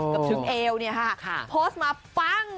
กับชุดเอวเนี่ยค่ะโพสมาปั้ง